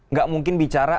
nggak mungkin bicara